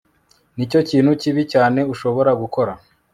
Nicyo kintu kibi cyane ushobora gukora